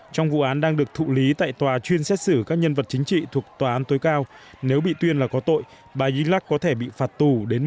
trong vụ án đang được thụ lý tại tòa chuyên xét xử các nhân vật chính trị thuộc tòa án tối cao nếu bị tuyên là có tội bà zinlac có thể bị phạt tù đến một mươi năm